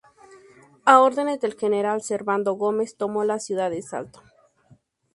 A órdenes del general Servando Gómez tomó la ciudad de Salto.